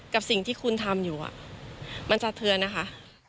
กับสิ่งที่คุณทำอยู่มันสะเทือนนะคะ